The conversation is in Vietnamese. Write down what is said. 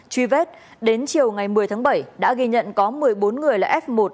truy vết đến chiều ngày một mươi tháng bảy đã ghi nhận có một mươi bốn người là f một